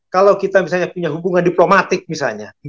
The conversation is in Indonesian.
kalau kita misalnya punya hubungan diplomatik misalnya